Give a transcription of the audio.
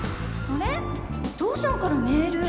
お父さんからメール。